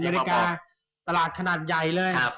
นาฬิกาตลาดขนาดใหญ่เลย